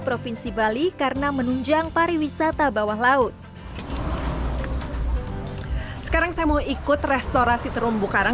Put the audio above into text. provinsi bali karena menunjang pariwisata bawah laut sekarang saya mau ikut restorasi terumbu karang